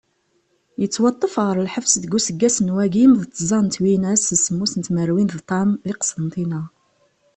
Yettwaṭṭef ɣer lḥebs deg useggas n wagim d tẓa twinas d semmus tmerwin d ṭam di Qsentina.